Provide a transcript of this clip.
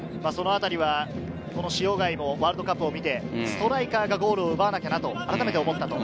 そのあたりは塩貝もワールドカップを見て、ストライカーがゴールを奪わなきゃなと思ったと。